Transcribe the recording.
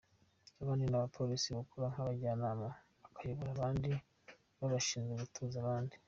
Abandi ni abapolisi bakora nk’abajyanama, abayobora abandi n’abashinzwe gutoza abandi.